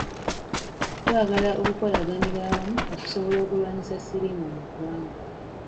Twagala okukolaganira awamu okusobola okulwanyisa siriimu mu ggwanga.